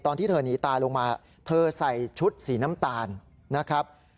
ตอนที่เธอหนีตายลงมาเธอใส่ชุดสีน้ำตาลนะครับ